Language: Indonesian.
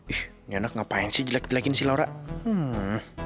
ih enak ngapain sih jelek jelekin si laura hmm